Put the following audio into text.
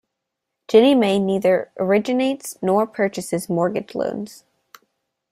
Ginnie Mae neither originates nor purchases mortgage loans.